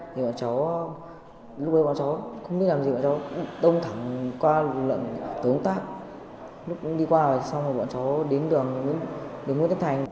thì bọn cháu lúc đấy bọn cháu không biết làm gì bọn cháu đông thẳng qua lượn tổ công tác lúc đó đi qua rồi xong rồi bọn cháu đến đường nguyễn thế thành